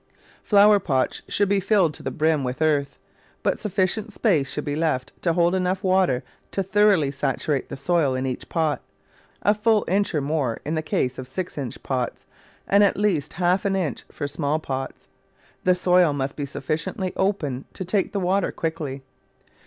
Flower pots should not be filled to the brim with earth, but sufficient space should be left to hold enough water to thoroughly saturate the soil in each pot — a full inch or more in the case of six inch pots, and at least half an inch for small pots. The soil must be sufficiently open to take the water quickly.